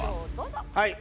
はい。